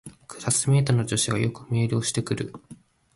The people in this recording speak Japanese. クラスメイトの女子がよくメールをしてくる